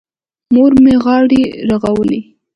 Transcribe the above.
مور مې غاړې رغولې.